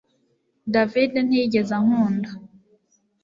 David ntiyigeze ankunda